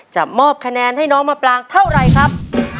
จะมอบคะแนนให้น้องมาปลางเท่าไรครับ